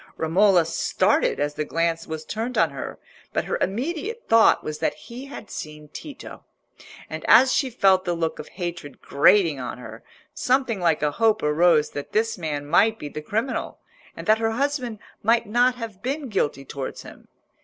Romola started as the glance was turned on her, but her immediate thought was that he had seen Tito. And as she felt the look of hatred grating on her, something like a hope arose that this man might be the criminal, and that her husband might not have been guilty towards him.